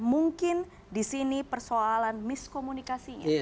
mungkin disini persoalan miskomunikasinya